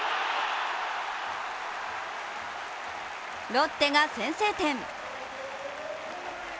ロッテが先制点。